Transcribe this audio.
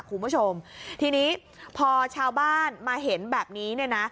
คุณผู้ชมทีนี้พอชาวบ้านมาเห็นแบบนี้เนี่ยนะ